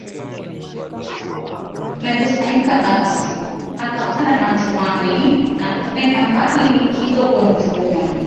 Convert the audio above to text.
umekusanyika Basi akapanda mashuani na kuenda mbali kidogo na ufuoni